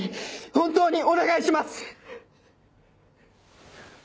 本当にお願いします！